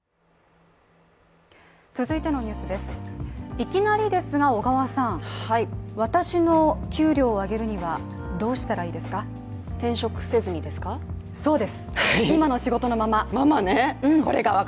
いきなりですが、小川さん、私の給料を上げるにはどうしたらいいですか？